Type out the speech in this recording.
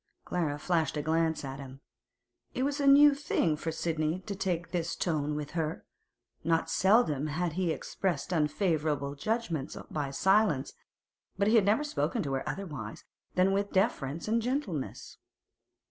Clara flashed a glance at him. It was a new thing for Sidney to take this tone with her; not seldom he had expressed unfavourable judgments by silence, but he had never spoken to her otherwise than with deference and gentleness.